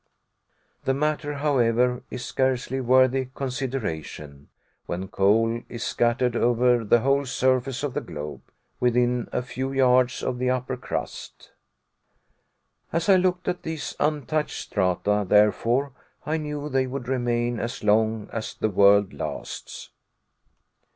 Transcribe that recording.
The matter, however, is scarcely worthy consideration, when coal is scattered over the whole surface of the globe, within a few yards of the upper crust. As I looked at these untouched strata, therefore, I knew they would remain as long as the world lasts.